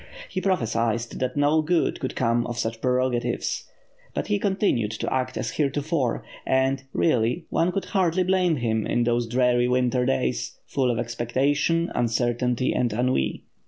He propLecied that no good could come of such prerogatives. But he continued to act as here tofore and, really, one could hardly blame him, in those dreary winter days; full of expectation, uncertainty, and ennui.